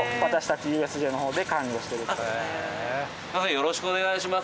よろしくお願いします。